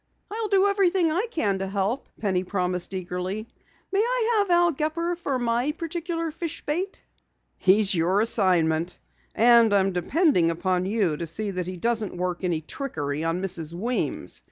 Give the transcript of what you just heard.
"I'll do everything I can to help," Penny promised eagerly. "May I have Al Gepper for my particular fish bait?" "He's your assignment. And I'm depending upon you to see that he doesn't work any of his trickery on Mrs. Weems.